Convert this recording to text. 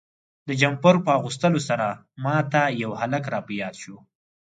د جمپر په اغوستلو سره ما ته یو هلک را په یاد شو.